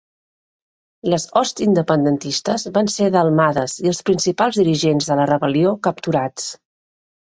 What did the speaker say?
Les hosts independentistes van ser delmades i els principals dirigents de la rebel·lió capturats.